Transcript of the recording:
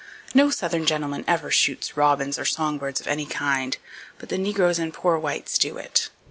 No Southern gentleman ever shoots robins, or song birds of any kind, but the negroes and poor whites do it.